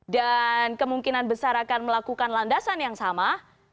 dan kemungkinan besar akan melakukan landasan yang sama